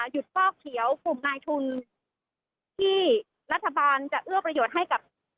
ฟอกเขียวกลุ่มนายทุนที่รัฐบาลจะเอื้อประโยชน์ให้กับ